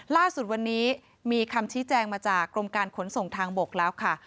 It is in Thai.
ล่าสุดวันนี้มีคำชี้แจงมาจากกรมการขนส่งทางบกแล้วค่ะ